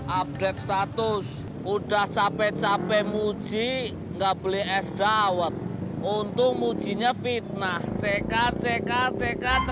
update status udah capek capek muji nggak beli es dawet untuk mujinya fitnah cekat cekat cekat